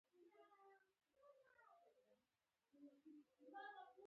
هند مقاماتو ځانونه خبر ساتل.